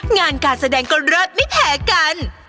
งานการแสดงก็เลิศไม่แพ้กัน